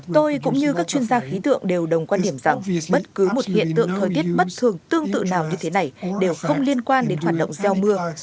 tôi cũng như các chuyên gia khí tượng đều đồng quan điểm rằng bất cứ một hiện tượng thời tiết bất thường tương tự nào như thế này đều không liên quan đến hoạt động gieo mưa